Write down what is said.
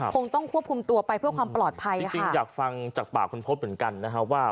คงต้องควบคุมตัวไปเพื่อความปลอดภัยจริงอยากฟังจากปากคุณพบเหมือนกันนะฮะว่า